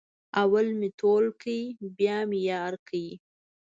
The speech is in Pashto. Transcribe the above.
اول مې تول کړ بیا مې یار کړ.